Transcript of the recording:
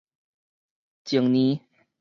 前年